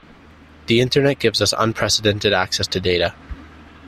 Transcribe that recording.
The internet gives us unprecedented access to data.